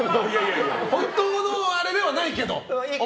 本当のあれではないけど。